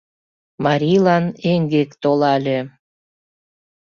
Марийлан эҥгек толале.